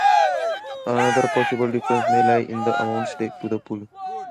Another possible difference may lie in the amount staked to the pool.